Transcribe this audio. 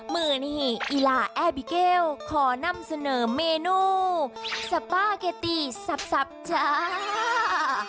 มือนี่อีลาแอร์บิเกลขอนำเสนอเมนูสปาเกตตี้สับจ้า